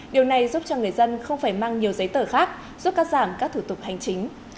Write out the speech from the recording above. điều này giúp cho người dân không phải mang nhiều giấy tờ khác giúp cắt giảm các thủ tục hành chính